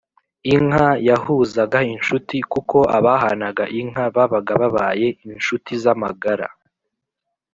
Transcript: inka yahuzaga inshuti kuko abahanaga inka babaga babaye inshuti z’amagara.